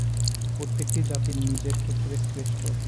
প্রত্যেকটি জাতি নিজের ক্ষেত্রে শ্রেষ্ঠ।